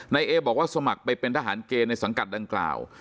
เอบอกว่าสมัครไปเป็นทหารเกณฑ์ในสังกัดดังกล่าว